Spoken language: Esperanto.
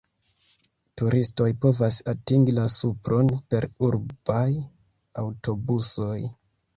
Turistoj povas atingi la supron per urbaj aŭtobusoj.